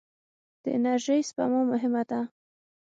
د انرژۍ سپما مهمه ده.